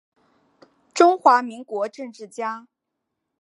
中华民国政治家。